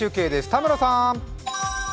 田村さーん。